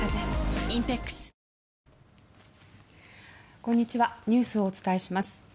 こんにちはニュースを伝えします。